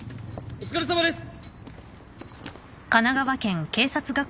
お疲れさまです！